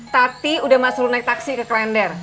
tati udah masuk naik taksi ke klender